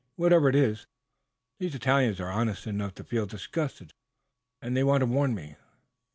Whatever it is, these Italians are honest enough to feel disgusted, and they want to warn me.